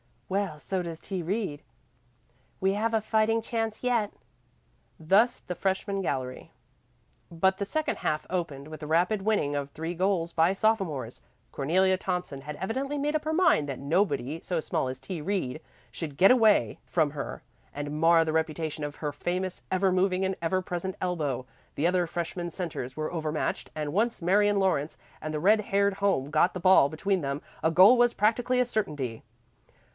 "Well, so does T. Reed." "We have a fighting chance yet." Thus the freshman gallery. But the second half opened with the rapid winning of three goals by the sophomores. Cornelia Thompson had evidently made up her mind that nobody so small as T. Reed should get away from her and mar the reputation of her famous "ever moving and ever present" elbow. The other freshman centres were over matched, and once Marion Lawrence and the red haired home got the ball between them, a goal was practically a certainty.